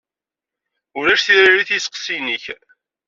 Ulac tiririt i isteqsiyen-ik.